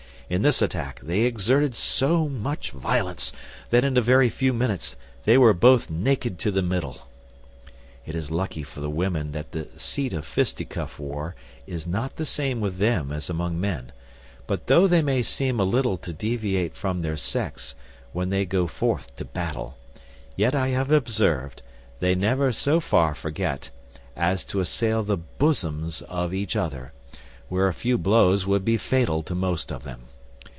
In this attack they exerted so much violence, that in a very few minutes they were both naked to the middle. It is lucky for the women that the seat of fistycuff war is not the same with them as among men; but though they may seem a little to deviate from their sex, when they go forth to battle, yet I have observed, they never so far forget, as to assail the bosoms of each other; where a few blows would be fatal to most of them.